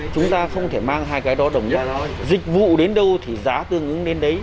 chúng ta không có